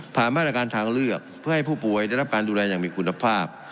มาตรการทางเลือกเพื่อให้ผู้ป่วยได้รับการดูแลอย่างมีคุณภาพ